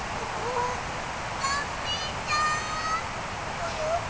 ぽよ？